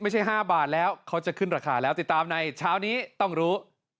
๕บาทแล้วเขาจะขึ้นราคาแล้วติดตามในเช้านี้ต้องรู้